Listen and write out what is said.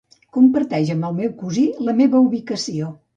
Comparteix amb el meu cosí la meva ubicació.